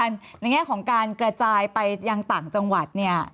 ในแง่ของการกระจายไปยังต่างจังหวัดเนี่ย